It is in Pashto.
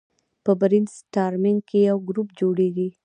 په برین سټارمینګ کې یو ګروپ جوړیږي.